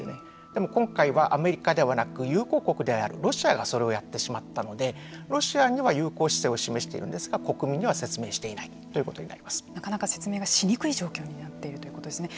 でも今回はアメリカではなく友好国であるロシアがそれをやってしまったのでロシアには友好姿勢を示しているんですが国民には説明していないというなかなか説明がしにくい状況になっているということですね。